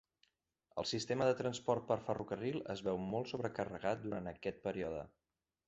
El sistema de transport per ferrocarril es veu molt sobrecarregat durant aquest període.